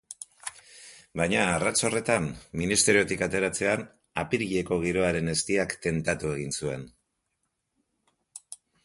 Baina arrats horretan, Ministeriotik ateratzean, apirileko giroaren eztiak tentatu egin zuen.